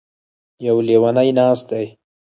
يـو ليونی نـاست دی.